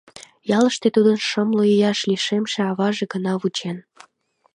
Ялыште тудым шымлу ийыш лишемше аваже гына вучен.